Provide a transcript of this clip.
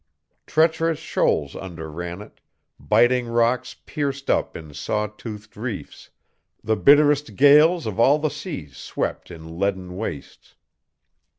Treacherous shoals underran it, biting rocks pierced up in saw toothed reefs, the bitterest gales of all the seas swept in leaden wastes.